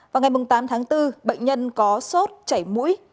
vào ngày tám tháng bốn bệnh nhân có sốt chảy mũi